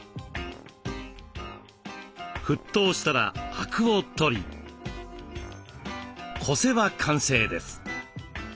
沸騰したらアクを取りこせば完成です。